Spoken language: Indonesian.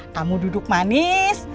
kamu duduk manis